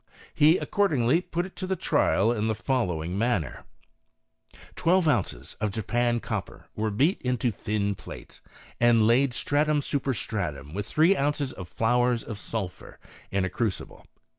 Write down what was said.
He accordingly put it to the trial in the following manner: 1 . Twelve ounces of Japan copper were beat into thin plates, and laid stratum super stratum with thi'ee ounces of flowers of sulphur, in a crucible.